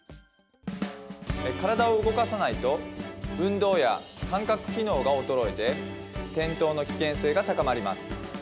体を動かさないと運動や感覚機能が衰えて転倒の危険性が高まります。